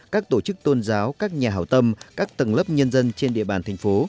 các tổ chức tôn giáo các nhà hào tâm các tầng lớp nhân dân trên địa bàn thành phố